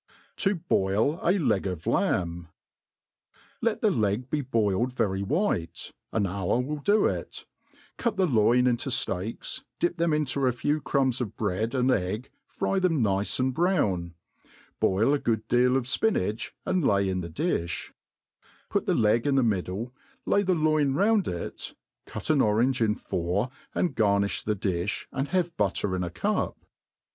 To hoil a Leg of Lamb* LET the leg be boiled very white. An hour will do ft» Cut the loin into fteaks, dip them into a few crumbs of breadi and egg, fry them nice and brown, boil a good deal of fpi nach, and lay in the difh ; put the leg in the middle, lay tb« loin round it, cut an orange in four and garnifii the difh, and have butter in a cup.